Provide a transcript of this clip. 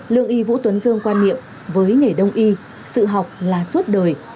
lương y vũ tuấn dương quan niệm với nghề đông y sự học là suốt đời